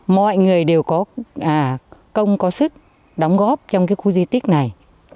mọi người đều có công có sức đóng góp trong cái khu di tích này